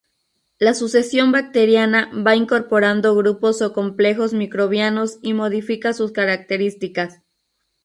La sucesión bacteriana va incorporando grupos o complejos microbianos y modifica sus características.